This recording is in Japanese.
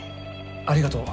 ありがとう。